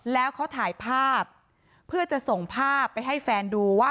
แล้วเขาถ่ายภาพเพื่อจะส่งภาพไปให้แฟนดูว่า